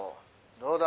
どうだ？